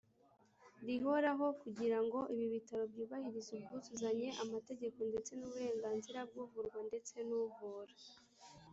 rihoraho kugira ngo ibi bitaro byubahirize ubwuzuzanye amategeko ndetse nuburenganzira bwuvurwa ndetse nuvura.